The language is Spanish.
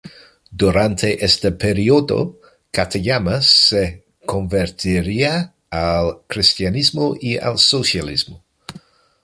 Durante este periodo Katayama se convertiría al cristianismo y al socialismo.